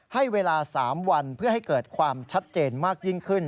ให้เวลา๓วันเพื่อให้เกิดความชัดเจนมากยิ่งขึ้น